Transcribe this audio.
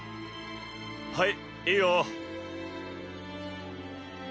はいいよ。